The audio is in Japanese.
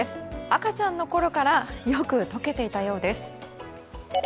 赤ちゃんのころからよく溶けていたようです。